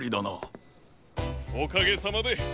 おかげさまで！